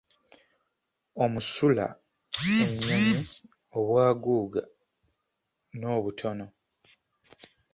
Omusula ennyonyi obw’aguuga n’obutono.